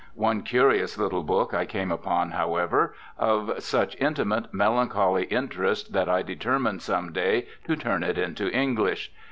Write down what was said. One curious little book I came upon, however, of such intimate, melancholy interest, that I determined some day to turn it into English.